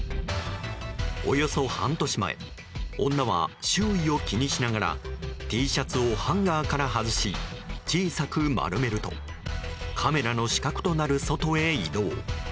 およそ半年前女は、周囲を気にしながらＴシャツをハンガーから外し小さく丸めるとカメラの死角となる外へ移動。